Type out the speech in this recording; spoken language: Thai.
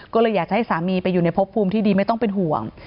ก็เลยอยากจะให้สามีไปอยู่ในพบภูมิที่ดีไม่ต้องเป็นห่วง